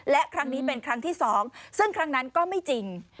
และครั้งนี้เป็นครั้งที่๒ซึ่งครั้งนั้นก็ไม่จริง